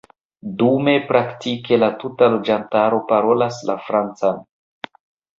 Dume, praktike la tuta loĝantaro parolas la Francan.